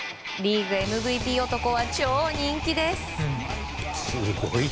リーグＭＶＰ男は超人気です。